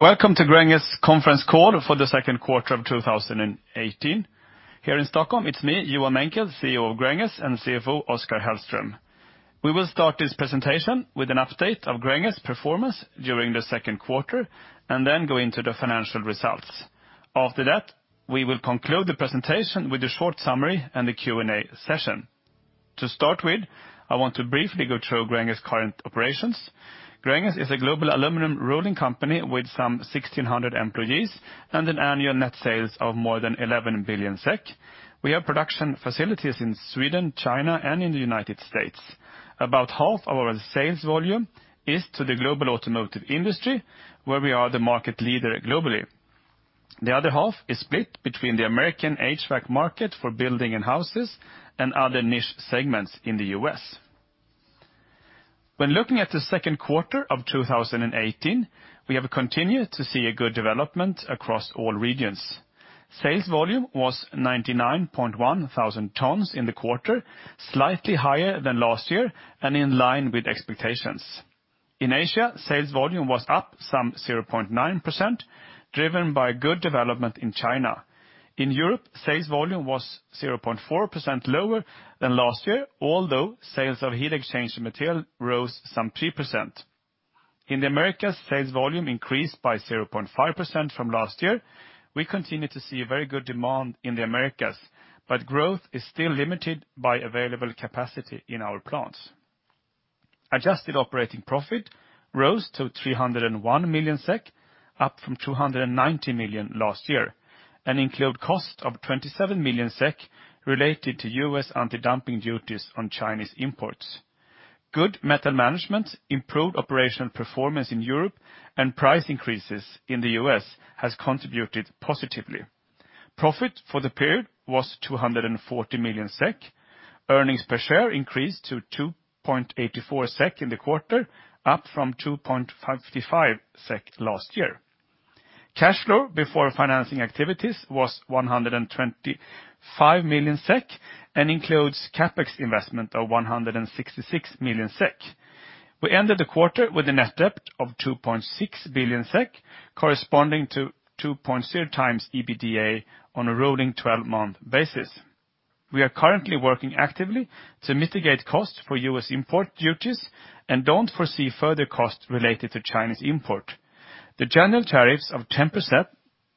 Welcome to Gränges conference call for the second quarter of 2018. Here in Stockholm, it's me, Johan Menckel, CEO of Gränges, and CFO Oskar Hellström. We will start this presentation with an update of Gränges performance during the second quarter and then go into the financial results. After that, we will conclude the presentation with a short summary and the Q&A session. To start with, I want to briefly go through Gränges current operations. Gränges is a global aluminum rolling company with some 1,600 employees and an annual net sales of more than 11 billion SEK. We have production facilities in Sweden, China, and in the United States. About half our sales volume is to the global automotive industry, where we are the market leader globally. The other half is split between the American HVAC market for building and houses and other niche segments in the U.S. When looking at the second quarter of 2018, we have continued to see a good development across all regions. Sales volume was 99.1 thousand tons in the quarter, slightly higher than last year and in line with expectations. In Asia, sales volume was up some 0.9%, driven by good development in China. In Europe, sales volume was 0.4% lower than last year, although sales of heat exchange material rose some 3%. In the Americas, sales volume increased by 0.5% from last year. We continue to see a very good demand in the Americas, but growth is still limited by available capacity in our plants. Adjusted operating profit rose to 301 million SEK, up from 290 million SEK last year, and include cost of 27 million SEK related to U.S. anti-dumping duties on Chinese imports. Good metal management, improved operational performance in Europe, and price increases in the U.S. has contributed positively. Profit for the period was 214 million SEK. Earnings per share increased to 2.84 SEK in the quarter, up from 2.55 SEK last year. Cash flow before financing activities was 125 million SEK and includes CapEx investment of 166 million SEK. We ended the quarter with a net debt of 2.6 billion SEK, corresponding to 2.0 times EBITDA on a rolling 12-month basis. We are currently working actively to mitigate costs for U.S. import duties and don't foresee further costs related to Chinese import. The general tariffs of 10%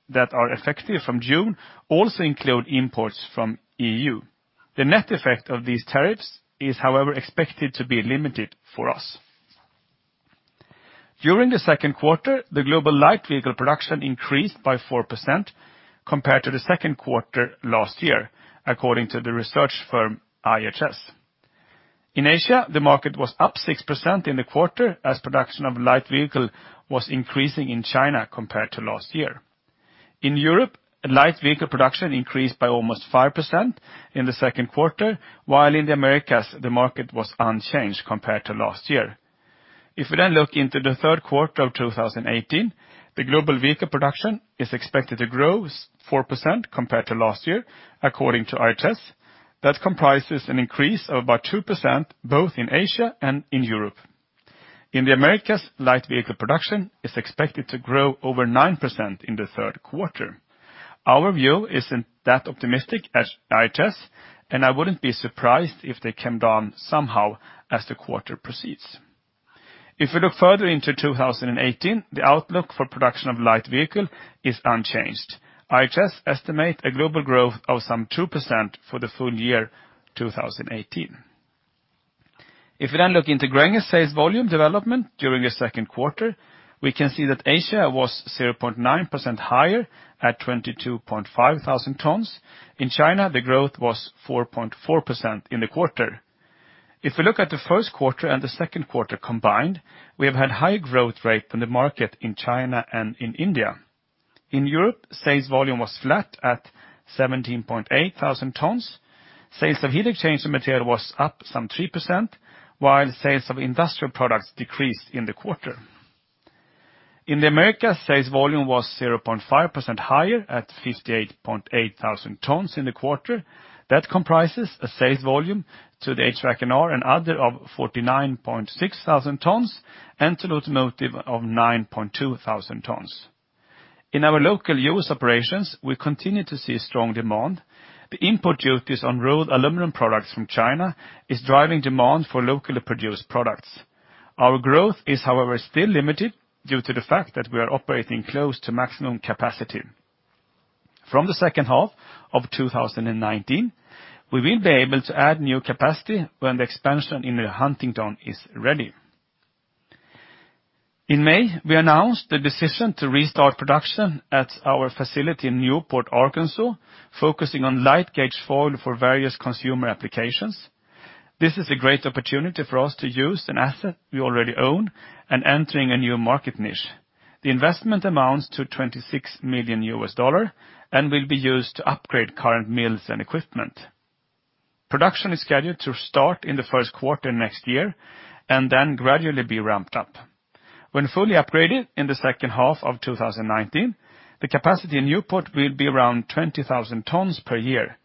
that are effective from June also include imports from EU. The net effect of these tariffs is, however, expected to be limited for us. During the second quarter, the global light vehicle production increased by 4% compared to the second quarter last year, according to the research firm IHS. In Asia, the market was up 6% in the quarter as production of light vehicle was increasing in China compared to last year. In Europe, light vehicle production increased by almost 5% in the second quarter, while in the Americas, the market was unchanged compared to last year. If we look into the third quarter of 2018, the global vehicle production is expected to grow 4% compared to last year, according to IHS. That comprises an increase of about 2%, both in Asia and in Europe. In the Americas, light vehicle production is expected to grow over 9% in the third quarter. Our view isn't that optimistic as IHS, I wouldn't be surprised if they came down somehow as the quarter proceeds. If we look further into 2018, the outlook for production of light vehicle is unchanged. IHS estimate a global growth of some 2% for the full year 2018. If we then look into Gränges sales volume development during the second quarter, we can see that Asia was 0.9% higher at 22,500 tons. In China, the growth was 4.4% in the quarter. If we look at the first quarter and the second quarter combined, we have had higher growth rate than the market in China and in India. In Europe, sales volume was flat at 17,800 tons. Sales of heat exchanger material was up some 3%, while sales of industrial products decreased in the quarter. In the Americas, sales volume was 0.5% higher at 58,800 tons in the quarter. That comprises a sales volume to the HVAC/R and other of 49,600 tons and to automotive of 9,200 tons. In our local U.S. operations, we continue to see strong demand. The import duties on rolled aluminum products from China is driving demand for locally produced products. Our growth is, however, still limited due to the fact that we are operating close to maximum capacity. From the second half of 2019, we will be able to add new capacity when the expansion in the Huntingdon is ready. In May, we announced the decision to restart production at our facility in Newport, Arkansas, focusing on light gauge foil for various consumer applications. This is a great opportunity for us to use an asset we already own and entering a new market niche. The investment amounts to $26 million and will be used to upgrade current mills and equipment. Production is scheduled to start in the first quarter next year and then gradually be ramped up. When fully upgraded in the second half of 2019, the capacity in Newport will be around 20,000 tons per year.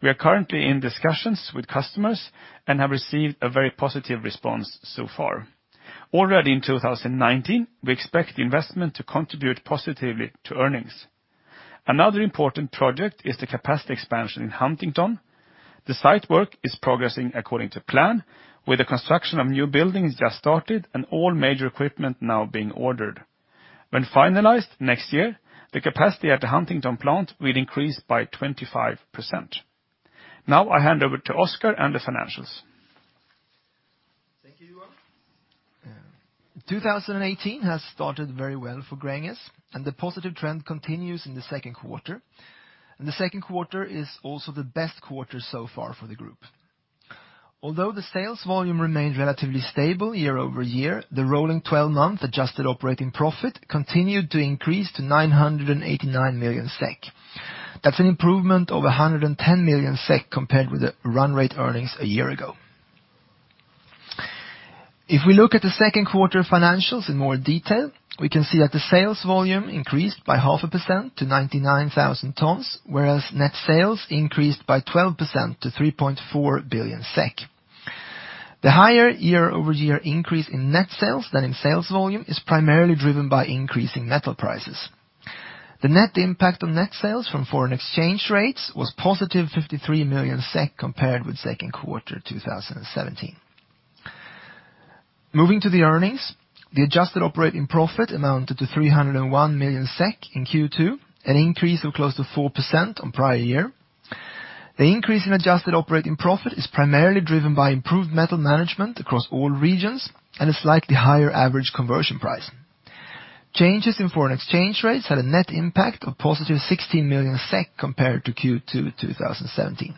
We are currently in discussions with customers and have received a very positive response so far. Already in 2019, we expect the investment to contribute positively to earnings. Another important project is the capacity expansion in Huntingdon. The site work is progressing according to plan, with the construction of new buildings just started and all major equipment now being ordered. When finalized next year, the capacity at the Huntingdon plant will increase by 25%. I hand over to Oskar and the financials. Thank you, Johan. 2018 has started very well for Gränges, and the positive trend continues in the second quarter. The second quarter is also the best quarter so far for the group. Although the sales volume remained relatively stable year-over-year, the rolling 12-month adjusted operating profit continued to increase to 989 million SEK. That's an improvement of 110 million SEK compared with the run rate earnings a year ago. If we look at the second quarter financials in more detail, we can see that the sales volume increased by half a percent to 99,000 tons, whereas net sales increased by 12% to 3.4 billion SEK. The higher year-over-year increase in net sales than in sales volume is primarily driven by increasing metal prices. The net impact on net sales from foreign exchange rates was positive 53 million SEK compared with second quarter 2017. Moving to the earnings, the adjusted operating profit amounted to 301 million SEK in Q2, an increase of close to 4% on prior year. The increase in adjusted operating profit is primarily driven by improved metal management across all regions and a slightly higher average conversion price. Changes in foreign exchange rates had a net impact of positive 16 million SEK compared to Q2 2017.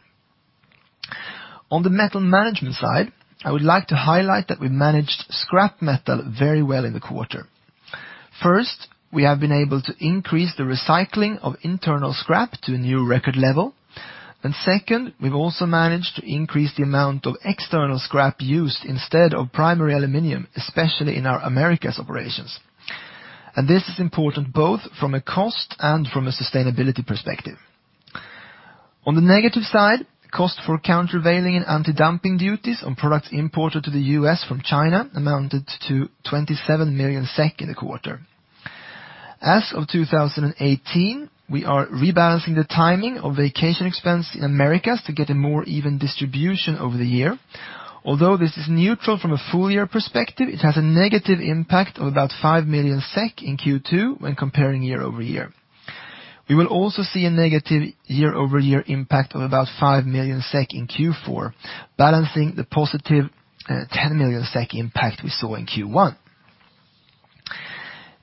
On the metal management side, I would like to highlight that we managed scrap metal very well in the quarter. First, we have been able to increase the recycling of internal scrap to a new record level. Second, we've also managed to increase the amount of external scrap used instead of primary aluminum, especially in our Americas operations. This is important both from a cost and from a sustainability perspective. On the negative side, cost for countervailing and anti-dumping duties on products imported to the U.S. from China amounted to 27 million SEK in the quarter. As of 2018, we are rebalancing the timing of vacation expense in Americas to get a more even distribution over the year. Although this is neutral from a full year perspective, it has a negative impact of about 5 million SEK in Q2 when comparing year-over-year. We will also see a negative year-over-year impact of about 5 million SEK in Q4, balancing the positive 10 million SEK impact we saw in Q1.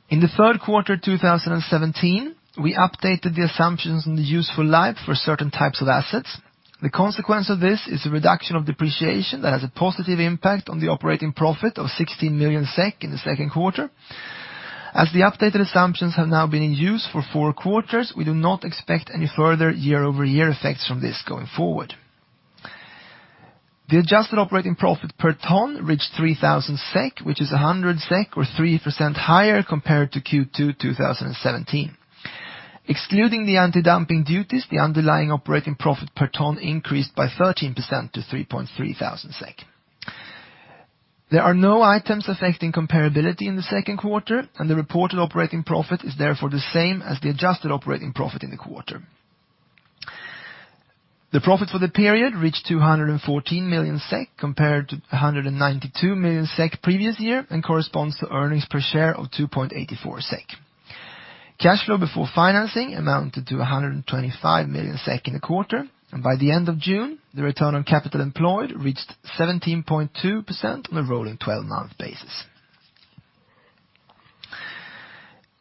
In the third quarter 2017, we updated the assumptions on the useful life for certain types of assets. The consequence of this is a reduction of depreciation that has a positive impact on the operating profit of 16 million SEK in the second quarter. As the updated assumptions have now been in use for four quarters, we do not expect any further year-over-year effects from this going forward. The adjusted operating profit per ton reached 3,000 SEK, which is 100 SEK or 3% higher compared to Q2 2017. Excluding the anti-dumping duties, the underlying operating profit per ton increased by 13% to 3.3 thousand SEK. There are no items affecting comparability in the second quarter, the reported operating profit is therefore the same as the adjusted operating profit in the quarter. The profit for the period reached 214 million SEK compared to 192 million SEK previous year and corresponds to earnings per share of 2.84 SEK. Cash flow before financing amounted to 125 million SEK in the quarter, and by the end of June, the return on capital employed reached 17.2% on a rolling 12-month basis.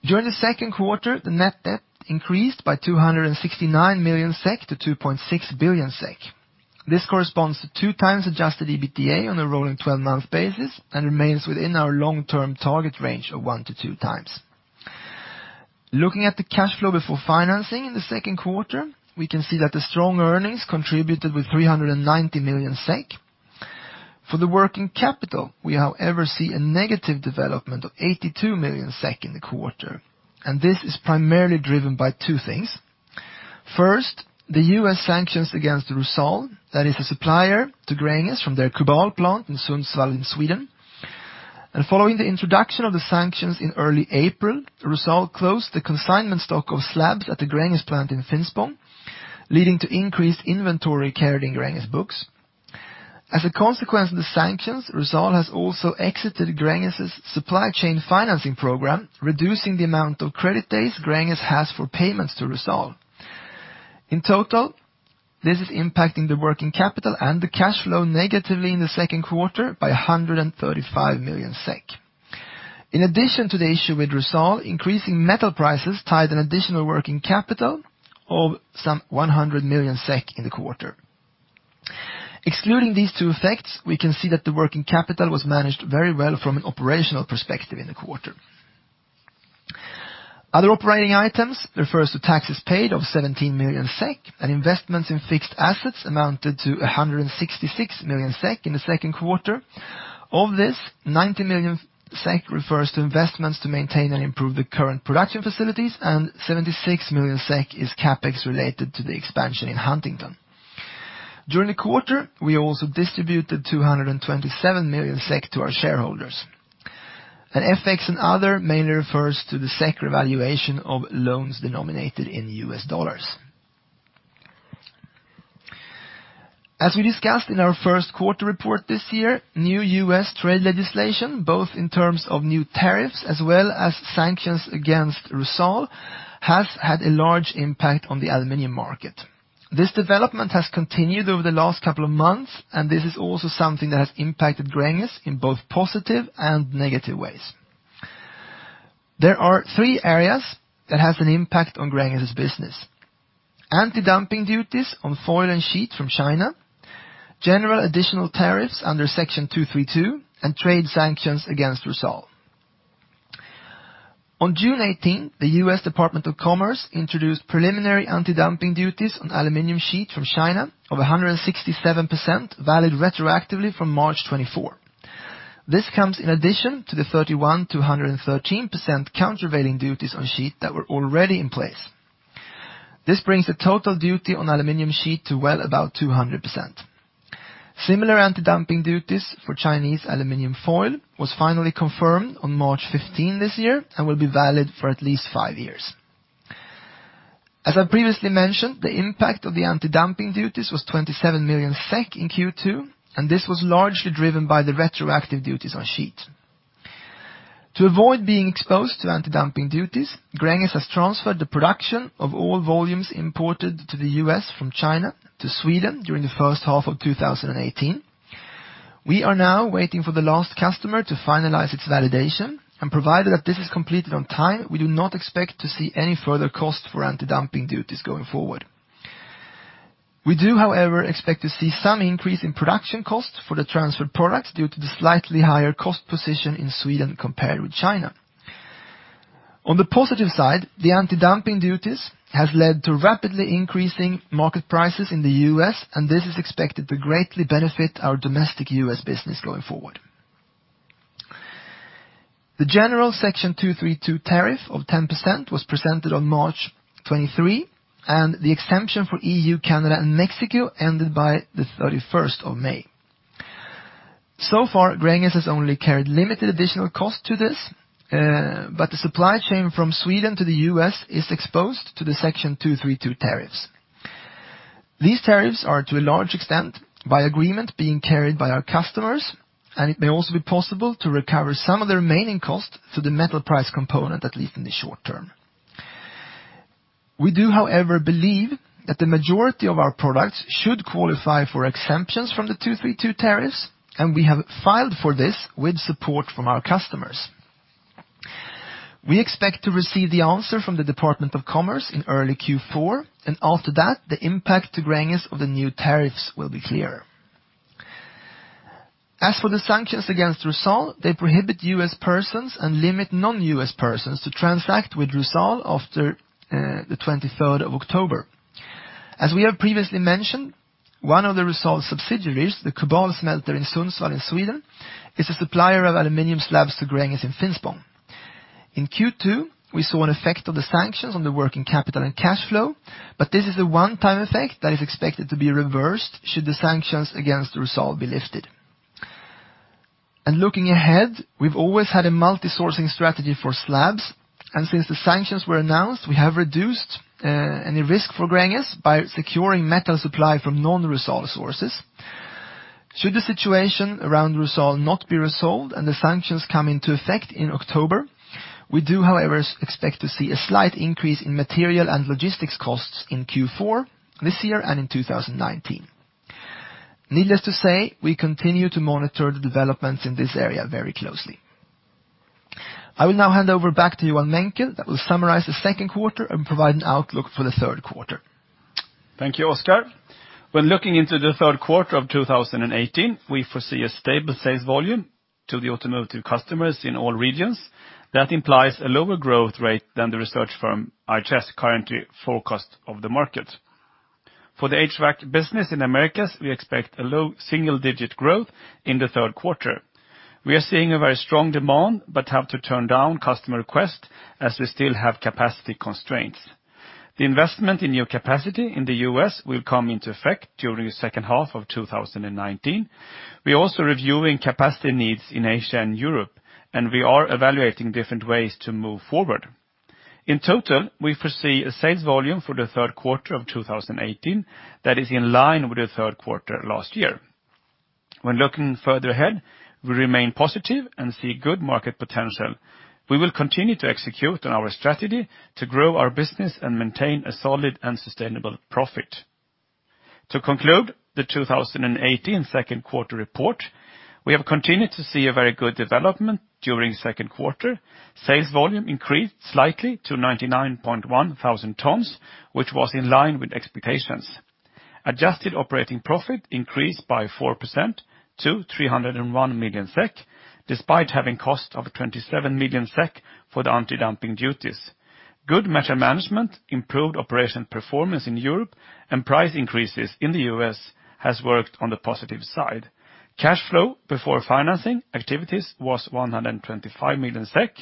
During the second quarter, the net debt increased by 269 million SEK to 2.6 billion SEK. This corresponds to two times adjusted EBITDA on a rolling 12-month basis and remains within our long-term target range of one to two times. Looking at the cash flow before financing in the second quarter, we can see that the strong earnings contributed with 390 million SEK. For the working capital, we, however, see a negative development of 82 million SEK in the quarter, this is primarily driven by two things. First, the U.S. sanctions against Rusal, that is a supplier to Gränges from their Kubal plant in Sundsvall in Sweden. Following the introduction of the sanctions in early April, Rusal closed the consignment stock of slabs at the Gränges plant in Finspång, leading to increased inventory carried in Gränges books. As a consequence of the sanctions, Rusal has also exited Gränges' supply chain financing program, reducing the amount of credit days Gränges has for payments to Rusal. In total, this is impacting the working capital and the cash flow negatively in the second quarter by 135 million SEK. In addition to the issue with Rusal, increasing metal prices tied an additional working capital of some 100 million SEK in the quarter. Excluding these two effects, we can see that the working capital was managed very well from an operational perspective in the quarter. Other operating items refers to taxes paid of 17 million SEK, and investments in fixed assets amounted to 166 million SEK in the second quarter. Of this, 90 million SEK refers to investments to maintain and improve the current production facilities, and 76 million SEK is CapEx related to the expansion in Huntingdon. During the quarter, we also distributed 227 million SEK to our shareholders. FX and other mainly refers to the SEC revaluation of loans denominated in U.S. dollars. As we discussed in our first quarter report this year, new U.S. trade legislation, both in terms of new tariffs as well as sanctions against Rusal, has had a large impact on the aluminum market. This development has continued over the last couple of months, and this is also something that has impacted Gränges in both positive and negative ways. There are three areas that has an impact on Gränges' business. Anti-dumping duties on foil and sheet from China, general additional tariffs under Section 232, and trade sanctions against Rusal. On June 18th, the U.S. Department of Commerce introduced preliminary anti-dumping duties on aluminum sheet from China of 167%, valid retroactively from March 24. This comes in addition to the 31%-113% countervailing duties on sheet that were already in place. This brings the total duty on aluminum sheet to well above 200%. Similar anti-dumping duties for Chinese aluminum foil was finally confirmed on March 15 this year and will be valid for at least five years. As I previously mentioned, the impact of the anti-dumping duties was 27 million SEK in Q2, and this was largely driven by the retroactive duties on sheet. To avoid being exposed to anti-dumping duties, Gränges has transferred the production of all volumes imported to the U.S. from China to Sweden during the first half of 2018. We are now waiting for the last customer to finalize its validation, and provided that this is completed on time, we do not expect to see any further cost for anti-dumping duties going forward. We do, however, expect to see some increase in production costs for the transferred products due to the slightly higher cost position in Sweden compared with China. On the positive side, the anti-dumping duties have led to rapidly increasing market prices in the U.S., and this is expected to greatly benefit our domestic U.S. business going forward. The general Section 232 tariff of 10% was presented on March 23, and the exemption for EU, Canada, and Mexico ended by the 31st of May. So far, Gränges has only carried limited additional cost to this, but the supply chain from Sweden to the U.S. is exposed to the Section 232 tariffs. These tariffs are, to a large extent, by agreement being carried by our customers, and it may also be possible to recover some of the remaining costs for the metal price component, at least in the short-term. We do, however, believe that the majority of our products should qualify for exemptions from the 232 tariffs, and we have filed for this with support from our customers. We expect to receive the answer from the Department of Commerce in early Q4, and after that, the impact to Gränges of the new tariffs will be clear. As for the sanctions against Rusal, they prohibit U.S. persons and limit non-U.S. persons to transact with Rusal after the 23rd of October. As we have previously mentioned, one of the Rusal subsidiaries, the Kubal smelter in Sundsvall in Sweden, is a supplier of aluminum slabs to Gränges in Finspång. In Q2, we saw an effect of the sanctions on the working capital and cash flow, but this is a one-time effect that is expected to be reversed should the sanctions against Rusal be lifted. Looking ahead, we've always had a multi-sourcing strategy for slabs, and since the sanctions were announced, we have reduced any risk for Gränges by securing metal supply from non-Rusal sources. Should the situation around Rusal not be resolved and the sanctions come into effect in October, we do, however, expect to see a slight increase in material and logistics costs in Q4 this year and in 2019. Needless to say, we continue to monitor the developments in this area very closely. I will now hand over back to Johan Menckel, that will summarize the second quarter and provide an outlook for the third quarter. Thank you, Oskar. When looking into the third quarter of 2018, we foresee a stable sales volume to the automotive customers in all regions. That implies a lower growth rate than the research firm IHS currently forecast of the market. For the HVAC business in Americas, we expect a low single-digit growth in the third quarter. We are seeing a very strong demand, but have to turn down customer requests as we still have capacity constraints. The investment in new capacity in the U.S. will come into effect during the second half of 2019. We're also reviewing capacity needs in Asia and Europe, and we are evaluating different ways to move forward. In total, we foresee a sales volume for the third quarter of 2018 that is in line with the third quarter last year. When looking further ahead, we remain positive and see good market potential. We will continue to execute on our strategy to grow our business and maintain a solid and sustainable profit. To conclude the 2018 second quarter report, we have continued to see a very good development during the second quarter. Sales volume increased slightly to 99,100 tons, which was in line with expectations. Adjusted operating profit increased by 4% to 301 million SEK, despite having cost of 27 million SEK for the anti-dumping duties. Good metal management, improved operation performance in Europe, and price increases in the U.S. has worked on the positive side. Cash flow before financing activities was 125 million SEK.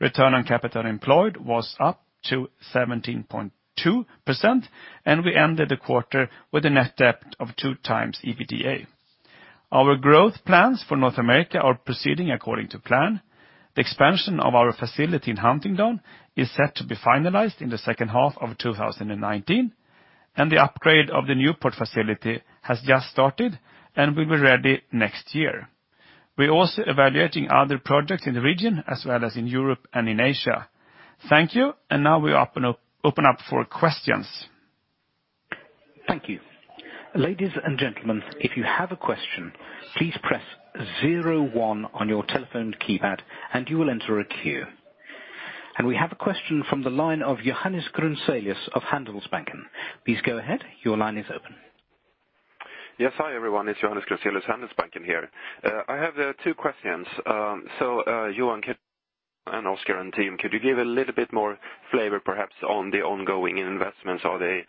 Return on capital employed was up to 17.2%, and we ended the quarter with a net debt of two times EBITDA. Our growth plans for North America are proceeding according to plan. The expansion of our facility in Huntingdon is set to be finalized in the second half of 2019, and the upgrade of the Newport facility has just started and will be ready next year. We're also evaluating other projects in the region as well as in Europe and in Asia. Thank you. Now we open up for questions. Thank you. Ladies and gentlemen, if you have a question, please press zero one on your telephone keypad and you will enter a queue. We have a question from the line of Johannes Grunselius of Handelsbanken. Please go ahead. Your line is open. Yes. Hi, everyone. It's Johannes Grunselius, Handelsbanken here. I have two questions. Johan and Oskar and team, could you give a little bit more flavor perhaps on the ongoing investments? Are they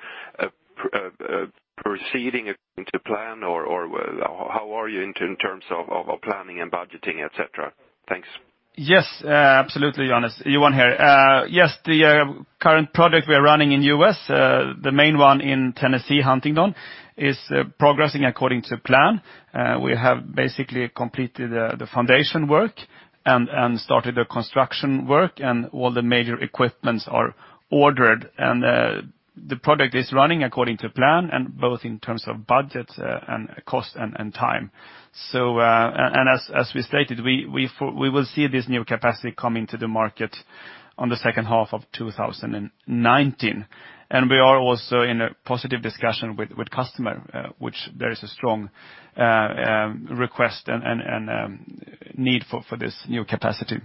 proceeding according to plan? How are you in terms of planning and budgeting, et cetera? Thanks. Yes, absolutely, Johannes. Johan here. Yes, the current project we are running in U.S., the main one in Tennessee, Huntingdon, is progressing according to plan. We have basically completed the foundation work and started the construction work, and all the major equipments are ordered. The project is running according to plan and both in terms of budget and cost and time. As we stated, we will see this new capacity coming to the market on the second half of 2019. We are also in a positive discussion with customer, which there is a strong request and need for this new capacity.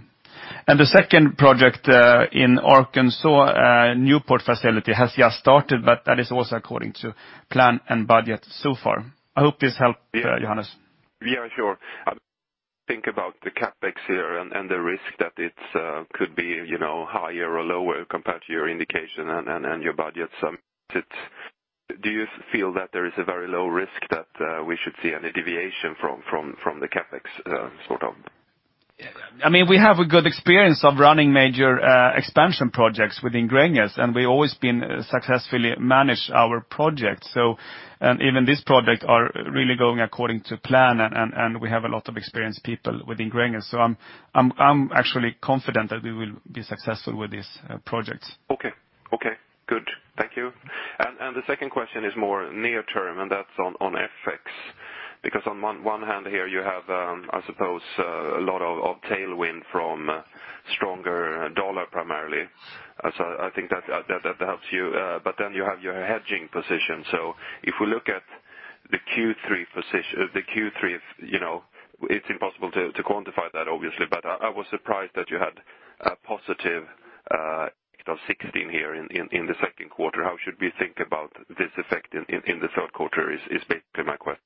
The second project, in Arkansas, Newport facility has just started, that is also according to plan and budget so far. I hope this helped, Johannes. Yeah, sure. I think about the CapEx here and the risk that it could be higher or lower compared to your indication and your budget. Do you feel that there is a very low risk that we should see any deviation from the CapEx sort of? We have a good experience of running major expansion projects within Gränges, and we always successfully manage our projects. Even this project are really going according to plan, and we have a lot of experienced people within Gränges. I'm actually confident that we will be successful with these projects. Okay. Good. Thank you. The second question is more near term, and that's on FX, because on one hand here you have, I suppose, a lot of tailwind from stronger dollar primarily. I think that helps you. You have your hedging position. If we look at the Q3, it's impossible to quantify that, obviously, but I was surprised that you had a positive effect of 16 here in the second quarter. How should we think about this effect in the third quarter is basically my question.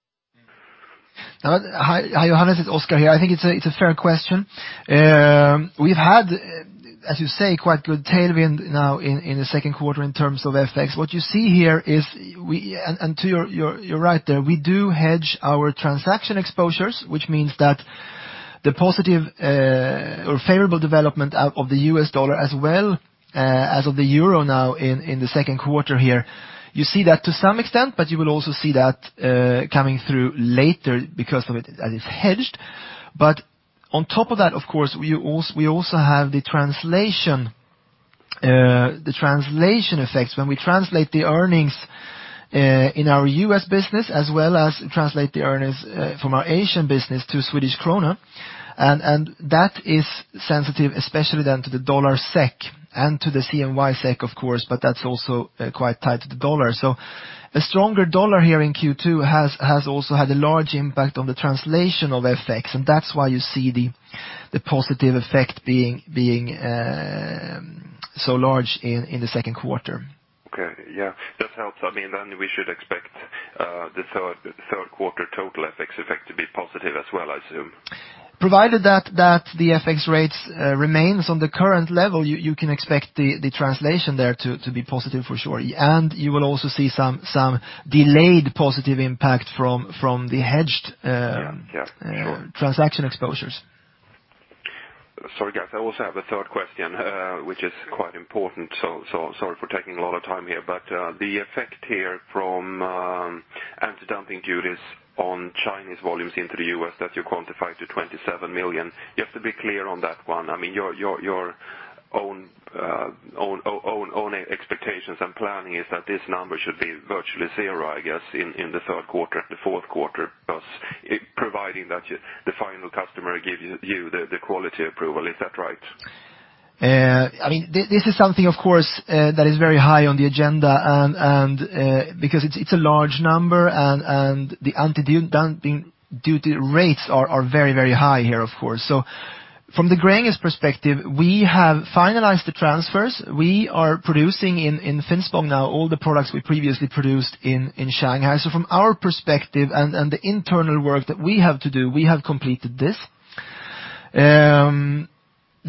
Hi, Johannes, it's Oskar here. I think it's a fair question. We've had, as you say, quite good tailwind now in the second quarter in terms of FX. What you see here is, and you're right there, we do hedge our transaction exposures, which means that the positive or favorable development of the U.S. dollar as well as of the euro now in the second quarter here, you see that to some extent, but you will also see that coming through later because of it that is hedged. On top of that, of course, we also have the translation effects when we translate the earnings in our U.S. business as well as translate the earnings from our Asian business to SEK, that is sensitive especially then to the dollar-SEK and to the CNY-SEK, of course, but that's also quite tied to the dollar. A stronger dollar here in Q2 has also had a large impact on the translation of FX, and that's why you see the positive effect being so large in the second quarter. Okay. Yeah, that helps. We should expect the third quarter total FX effect to be positive as well, I assume. Provided that the FX rates remains on the current level, you can expect the translation there to be positive for sure. You will also see some delayed positive impact from the hedged. Yeah, sure transaction exposures. Sorry, guys, I also have a third question, which is quite important. Sorry for taking a lot of time here, The effect here from anti-dumping duties on Chinese volumes into the U.S. that you quantify to 27 million, you have to be clear on that one. Your own expectations and planning is that this number should be virtually zero, I guess, in the third quarter and the fourth quarter, thus providing that the final customer give you the quality approval. Is that right? This is something, of course, that is very high on the agenda, because it's a large number and the anti-dumping duty rates are very high here, of course. From the Gränges perspective, we have finalized the transfers. We are producing in Finspång now all the products we previously produced in Shanghai. From our perspective and the internal work that we have to do, we have completed this.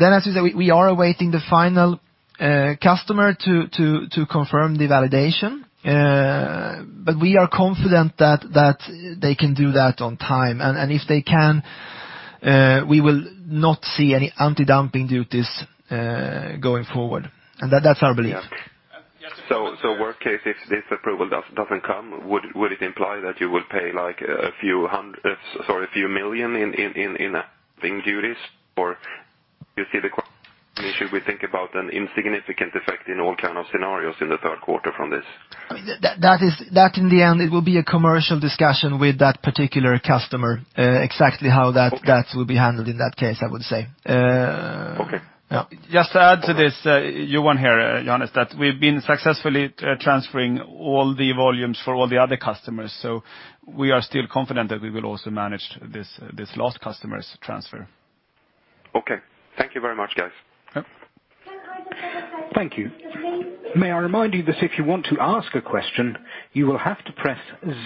As you said, we are awaiting the final customer to confirm the validation. We are confident that they can do that on time, and if they can, we will not see any anti-dumping duties going forward. That's our belief. Worst case, if this approval doesn't come, would it imply that you will pay a few million in duties? Should we think about an insignificant effect in all kind of scenarios in the third quarter from this? That in the end, it will be a commercial discussion with that particular customer, exactly how that will be handled in that case, I would say. Okay. Yeah. Just to add to this, Johan here, Johannes, that we've been successfully transferring all the volumes for all the other customers. We are still confident that we will also manage this last customer's transfer. Okay. Thank you very much, guys. Yep. Can I just have a second? Thank you. May I remind you that if you want to ask a question, you will have to press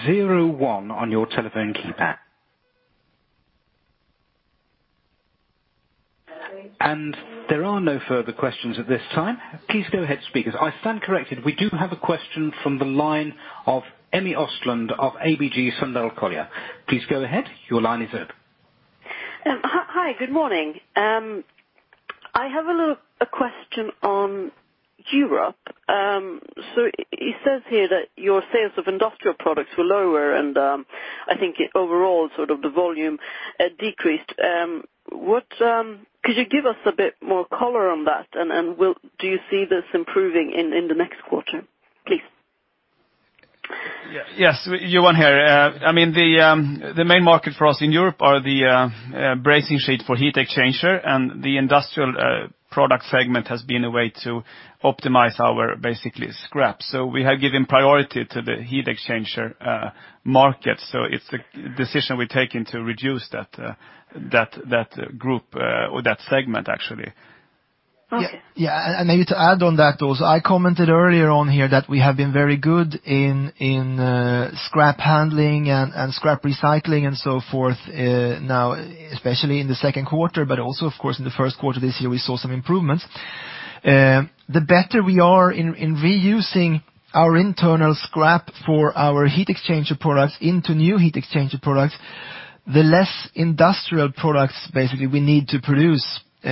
zero one on your telephone keypad. There are no further questions at this time. Please go ahead, speakers. I stand corrected. We do have a question from the line of Emmi Östlund of ABG Sundal Collier. Please go ahead. Your line is open. Hi, good morning. I have a question on Europe. It says here that your sales of industrial products were lower, and I think overall, the volume decreased. Could you give us a bit more color on that, and do you see this improving in the next quarter, please? Yes. Johan here. The main market for us in Europe are the brazing sheet for heat exchanger, and the industrial product segment has been a way to optimize our, basically, scrap. We have given priority to the heat exchanger market. It's a decision we've taken to reduce that group or that segment, actually. Okay. Yeah. Maybe to add on that also, I commented earlier on here that we have been very good in scrap handling and scrap recycling and so forth now, especially in the second quarter, but also, of course, in the first quarter this year, we saw some improvements. The better we are in reusing our internal scrap for our heat exchanger products into new heat exchanger products, the less industrial products, basically, we need to produce,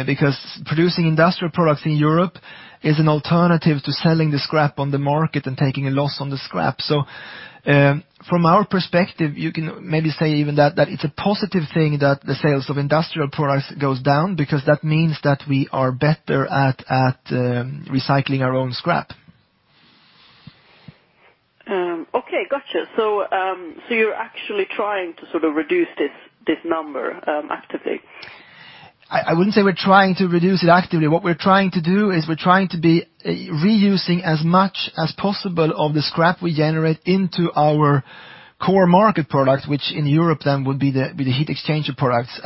because producing industrial products in Europe is an alternative to selling the scrap on the market and taking a loss on the scrap. From our perspective, you can maybe say even that it's a positive thing that the sales of industrial products goes down because that means that we are better at recycling our own scrap. Got you. You're actually trying to reduce this number actively. I wouldn't say we're trying to reduce it actively. What we're trying to do is we're trying to be reusing as much as possible of the scrap we generate into our core market product, which in Europe then would be the heat exchanger products.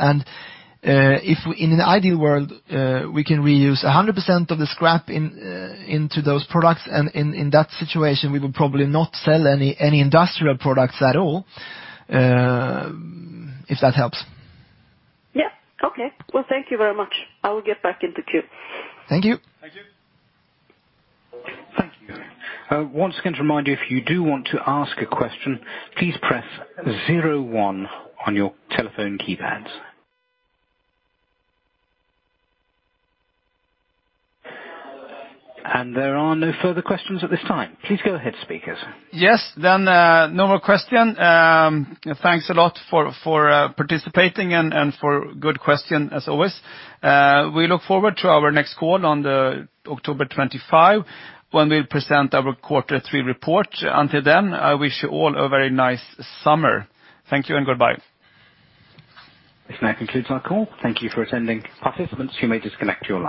In an ideal world, we can reuse 100% of the scrap into those products, and in that situation, we would probably not sell any industrial products at all, if that helps. Yeah. Okay. Well, thank you very much. I will get back into queue. Thank you. Thank you. Thank you. Once again, to remind you, if you do want to ask a question, please press zero one on your telephone keypads. There are no further questions at this time. Please go ahead, speakers. Yes, no more question. Thanks a lot for participating and for good question as always. We look forward to our next call on the October 25, when we'll present our Quarter Three report. Until then, I wish you all a very nice summer. Thank you and goodbye. This now concludes our call. Thank you for attending. Participants, you may disconnect your lines.